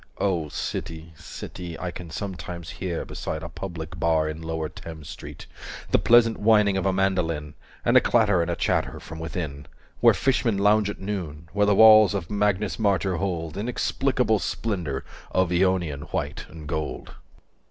O City City, I can sometimes hear Beside a public bar in Lower Thames Street, 260 The pleasant whining of a mandoline And a clatter and a chatter from within Where fishmen lounge at noon: where the walls Of Magnus Martyr hold Inexplicable splendour of Ionian white and gold.